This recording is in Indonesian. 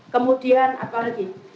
kemudian apa lagi